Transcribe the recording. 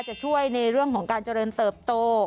จะช่วยในเรื่องของการเจริญเติบโต